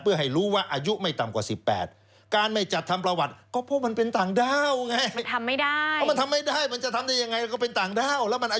เพื่อให้รู้ว่าอายุไม่ต่ำกว่า๑๘